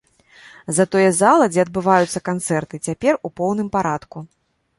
Затое зала, дзе адбываюцца канцэрты, цяпер у поўным парадку.